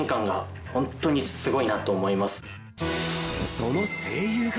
その声優が。